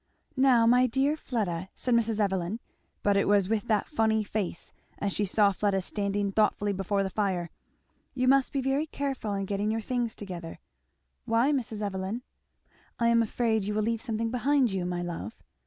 "Now my dear Fleda" said Mrs. Evelyn, but it was with that funny face, as she saw Fleda standing thoughtfully before the fire, you must be very careful in getting your things together " "Why, Mrs. Evelyn?" "I am afraid you will leave something behind you, my love."